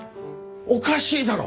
おかしいだろ！？